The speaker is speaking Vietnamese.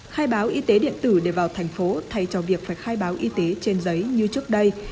khai báo y tế điện tử để vào thành phố thay cho việc phải khai báo y tế trên giấy như trước đây